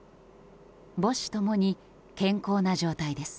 母子共に健康な状態です。